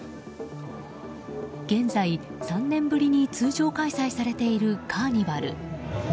現在３年ぶりに通常開催されているカーニバル。